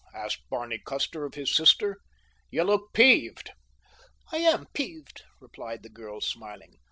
asked Barney Custer of his sister. "You look peeved." "I am peeved," replied the girl, smiling.